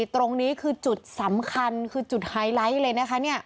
ตรงนี้คือจุดสำคัญคือจุดไฮไลท์เลยนะคะ